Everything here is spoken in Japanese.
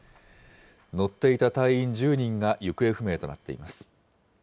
乗っていた隊員１０人が行方不明となっています。